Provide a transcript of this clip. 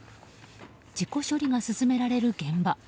事故処理が進められる現場。